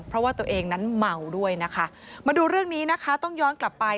เพราะว่าตัวเองนั้นเมาด้วยนะคะมาดูเรื่องนี้นะคะต้องย้อนกลับไป